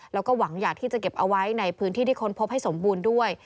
แล้วก็หวังอยากที่จะเก็บเอาไว้ในพื้นที่ที่ค้นพบให้สมบูรณ์ด้วย